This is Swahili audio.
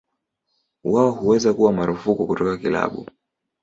Wao huweza kuwa marufuku kutoka kilabu.